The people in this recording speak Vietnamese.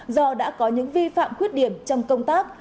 do đã có những vi phạm khuyết điểm trong công tác